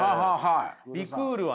リクールはね